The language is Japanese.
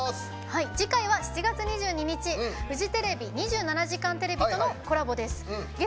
次回はフジテレビ２７時間テレビとのコラボです。